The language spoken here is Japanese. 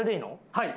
はい。